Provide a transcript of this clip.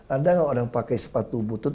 ada nggak orang pakai sepatu butut